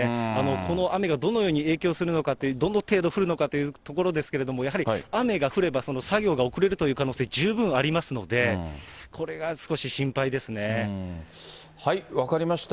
この雨がどのように影響するのかという、どの程度降るのかというところですけれども、やはり雨が降れば作業が遅れるという可能性、十分ありますので、分かりました。